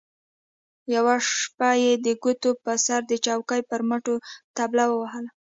يوه شېبه يې د ګوتو په سر د چوکۍ پر مټو طبله ووهله.